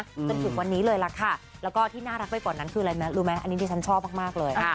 จนถึงวันนี้เลยล่ะค่ะแล้วก็ที่น่ารักไปกว่านั้นคืออะไรไหมรู้ไหมอันนี้ที่ฉันชอบมากเลย